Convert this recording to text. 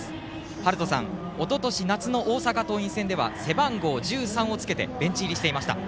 はるとさん、おととし夏の大阪桐蔭戦では背番号１３をつけてベンチ入りしていました。